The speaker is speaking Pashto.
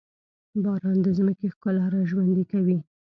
باران د ځمکې ښکلا راژوندي کوي.